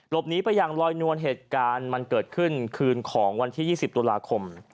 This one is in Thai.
หนีไปอย่างลอยนวลเหตุการณ์มันเกิดขึ้นคืนของวันที่๒๐ตุลาคม